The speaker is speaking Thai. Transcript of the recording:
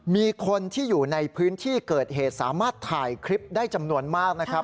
มีคนที่อยู่ในพื้นที่เกิดเหตุสามารถถ่ายคลิปได้จำนวนมากนะครับ